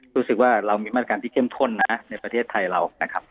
รู้สึกว่าเรามีมาตรการที่เข้มข้นนะในประเทศไทยเรานะครับ